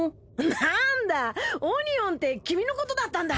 なんだオニオンって君のことだったんだ。